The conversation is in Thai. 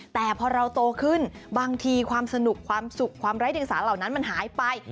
แต่พอเราโตขึ้นบางทีความสนุกความสุขความไร้เดียงสารเหล่านั้นมันหายไป